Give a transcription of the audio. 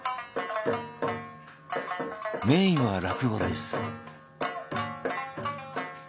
メインは落語です。